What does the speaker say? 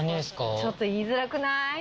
ちょっと言いづらくない？